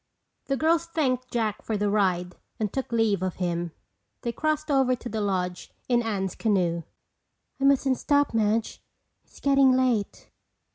The girls thanked Jack for the ride and took leave of him. They crossed over to the lodge in Anne's canoe. "I mustn't stop, Madge. It's getting late."